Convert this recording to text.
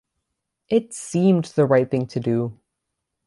It seemed the right thing to do.